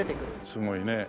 すごいね。